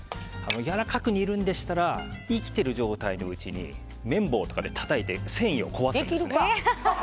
やわらかく煮るんでしたら生きている状態の時に麺棒とかでたたいて繊維を壊すんですね。